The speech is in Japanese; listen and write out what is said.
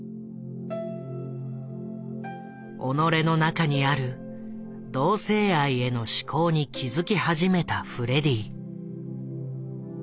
己の中にある同性愛への指向に気付き始めたフレディ。